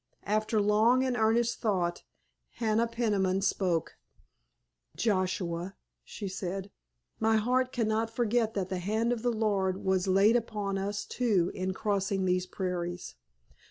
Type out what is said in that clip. After long and earnest thought Hannah Peniman spoke: "Joshua," she said, "my heart cannot forget that the hand of the Lord was laid upon us, too, in crossing these prairies.